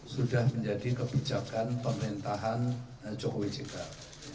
sudah menjadi kebijakan pemerintahan jokowi jk